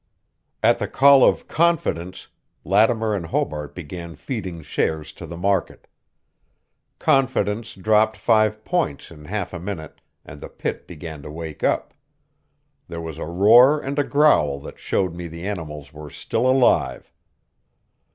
At the call of Confidence, Lattimer and Hobart began feeding shares to the market. Confidence dropped five points in half a minute, and the pit began to wake up. There was a roar and a growl that showed me the animals were still alive.